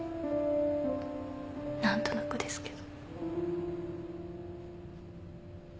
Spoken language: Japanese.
何となくですけど。